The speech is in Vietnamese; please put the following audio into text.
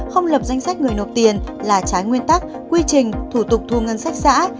không lập danh sách người nộp tiền là trái nguyên tắc quy trình thủ tục thu ngân sách xã